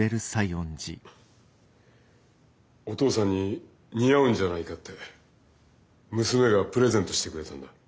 お父さんに似合うんじゃないかって娘がプレゼントしてくれたんだ。